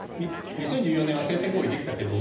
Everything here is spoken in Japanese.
２０１４年は停戦合意できたけど